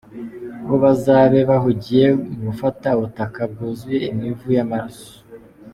Bo bazabe bahugiye mu gufata ubutaka bwuzuye imivu y’amaraso.